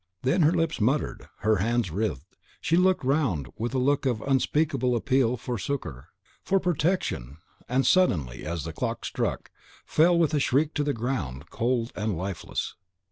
Then her lips muttered; her hands writhed; she looked round with a look of unspeakable appeal for succour, for protection, and suddenly, as the clock struck, fell with a shriek to the ground, cold and lifeless.